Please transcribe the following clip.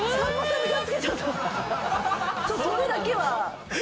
それだけは。